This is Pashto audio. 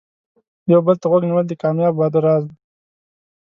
یو بل ته غوږ نیول د کامیاب واده راز دی.